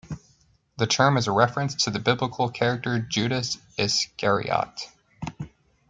The term is a reference to the biblical character Judas Iscariot.